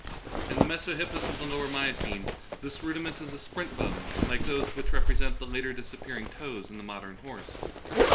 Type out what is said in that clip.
In the mesohippus of the lower Miocene this rudiment is a splint bone, like those which represent the later disappearing toes in the modern horse.